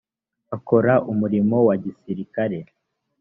akora umurimo wa gisirikare .